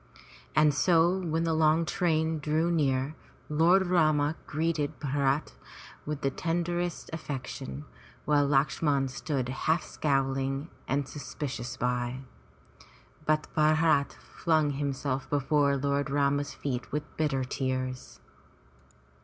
And so when the long train drew near. Lord Rama greeted Bharat with the tenderest affection, while Lakshman stood half scowling and suspicious by. But Bharat flung himself before Lord Rama's feet with bitter tears.